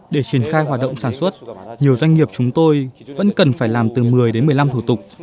để triển khai hoạt động sản xuất nhiều doanh nghiệp chúng tôi vẫn cần phải làm từ một mươi đến một mươi năm thủ tục